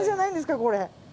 これ。